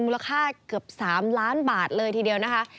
มูลค่าเกือบ๓ล้านบาทเลยทีเดียวนะคะ